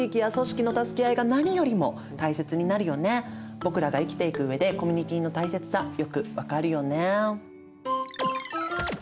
僕らが生きていく上でコミュニティの大切さよく分かるよね。